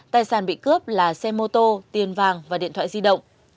tài sản bị cướp là xe mô tô tiền vàng và điện thoại di động